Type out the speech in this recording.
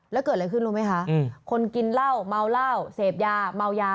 แล้วเกิดอะไรขึ้นรู้ไหมคะคนกินเหล้าเมาเหล้าเสพยาเมายา